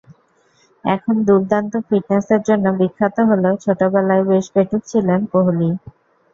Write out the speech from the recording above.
এখন দুর্দান্ত ফিটনেসের জন্য বিখ্যাত হলেও ছোটবেলায় বেশ পেটুক ছিলেন কোহলি।